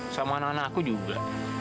sama anak anak aku juga